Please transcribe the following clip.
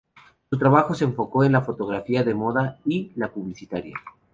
Su trabajo se enfocó en la fotografía de moda y la publicitaria.